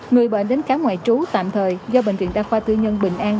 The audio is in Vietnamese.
người bệnh đến khám ngoại trú tạm thời do bệnh viện đa khoa tư nhân bình an